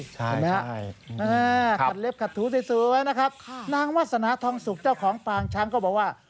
ใช่นะครับขัดเล็บขัดถูดสูงไว้นะครับนางวัฒณธรรมสุพย์เจ้าของฟ้าช้างก็บอกว่า